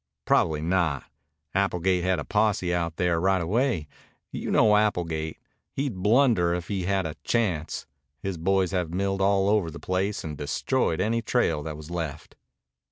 "Probably not. Applegate had a posse out there right away. You know Applegate. He'd blunder if he had a chance. His boys have milled all over the place and destroyed any trail that was left."